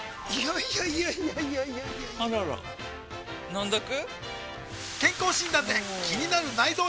いやいやいやいやあらら飲んどく？